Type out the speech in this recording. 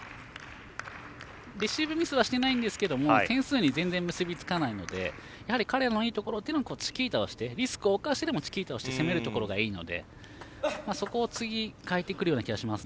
レシーブミスはしてないんですけど点数に全然、結びつかないのでやはり彼らのいいところというのはリスクを冒してでもチキータをして攻めるところがいいのでそこを次変えてくるような気がします。